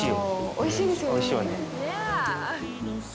おいしいですよね。